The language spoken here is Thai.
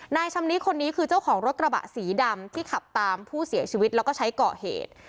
นายชำนิคนนี้คือเจ้าของรถกระบะสีดำที่ขับตามผู้เสียชีวิตแล้วก็ใช้เกาะเหตุ